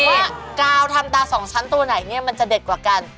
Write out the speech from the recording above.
ว่ากาวทำตาสองชั้นตัวไหนเนี่ยมันจะเด็ดกว่ากัน